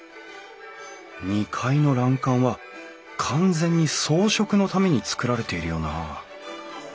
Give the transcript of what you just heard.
２階の欄干は完全に装飾のために造られているよな